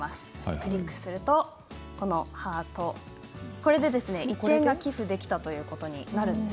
クリックすると、これで１円が寄付できたということになります。